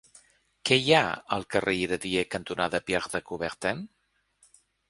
Què hi ha al carrer Iradier cantonada Pierre de Coubertin?